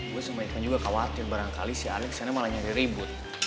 gue sama irfan juga khawatir barangkali si alex malah nyari ribut